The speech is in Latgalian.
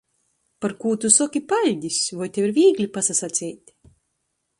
Par kū tu soki paļdis? Voi tev ir vīgli pasasaceit?